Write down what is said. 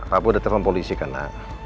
papa udah telepon polisi kan nak